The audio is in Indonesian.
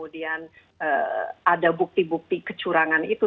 dan ada bukti bukti kecurangan itu